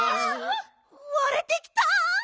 われてきた！